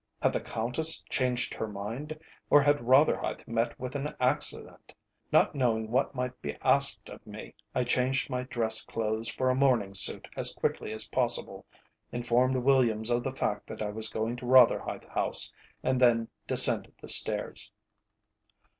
Had the Countess changed her mind or had Rotherhithe met with an accident? Not knowing what might be asked of me, I changed my dress clothes for a morning suit as quickly as possible, informed Williams of the fact that I was going to Rotherhithe House, and then descended the stairs.